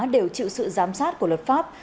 đều chịu sự giám sát của luật pháp